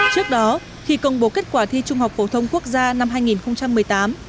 trước đó khi công bố kết quả thi trung học phổ thông quốc gia năm hai nghìn một mươi tám